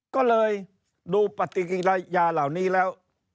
ก็เลยดูปฏิกิริยาเหล่านี้แล้ว